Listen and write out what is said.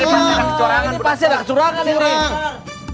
ini pasti ada kecurangan ini